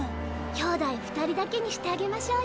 きょうだい２人だけにしてあげましょうよ。